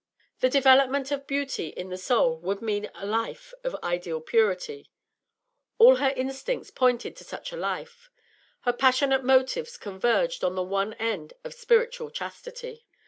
The development of beauty in the soul would mean a life of ideal purity; all her instincts pointed to such a life; her passionate motives converged on the one end of spiritual chastity.